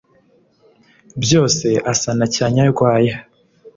Byose asa na cya Nyarwaya